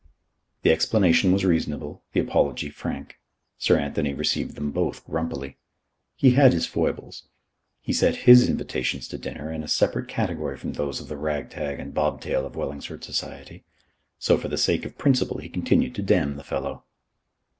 The explanation was reasonable, the apology frank. Sir Anthony received them both grumpily. He had his foibles. He set his invitations to dinner in a separate category from those of the rag tag and bobtail of Wellingsford society. So for the sake of principle he continued to damn the fellow.